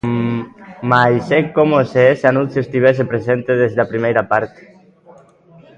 Mais é como se ese anuncio estivese presente desde a primeira parte.